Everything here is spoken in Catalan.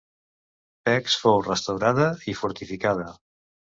Pécs fou restaurada i fortificada.